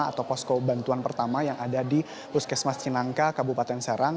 atau posko bantuan pertama yang ada di puskesmas cinangka kabupaten serang